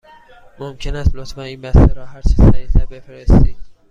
ممکن است لطفاً این بسته را هرچه سریع تر بفرستید؟